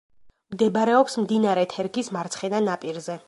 მდებარეობს მდინარე თერგის მარცხენა ნაპირზე.